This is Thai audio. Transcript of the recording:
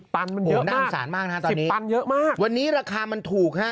๑๐ปันมันเยอะมาก๑๐ปันเยอะมากวันนี้ราคามันถูกฮะ